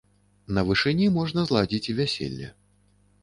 На вышыні можна зладзіць і вяселле.